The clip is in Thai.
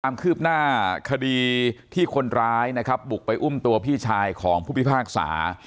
ความคืบหน้าคดีที่คนร้ายนะครับบุกไปอุ้มตัวพี่ชายของผู้พิพากษา